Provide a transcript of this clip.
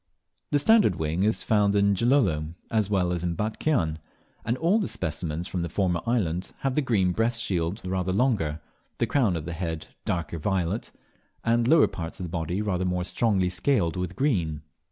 The Standard Wing is found in Gilolo as well as in Batchian, and all the specimens from the former island have the green breast shield rather longer, the crown of the head darker violet, and the lower parts of the body rather more strongly scaled with green.